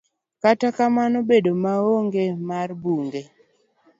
Kata kamano, bedo maonge mar buge